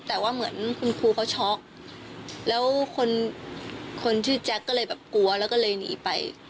แต่ว่าเหมือนคุณครูเขาช็อกแล้วคนคนชื่อแจ๊คก็เลยแบบกลัวแล้วก็เลยหนีไป